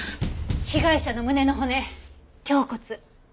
被害者の胸の骨胸骨。